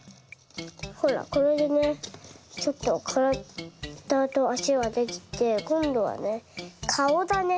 ほらこれでねちょっとからだとあしができてこんどはねかおだね。